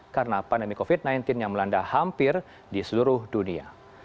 karena pandemi covid sembilan belas yang melanda hampir di seluruh dunia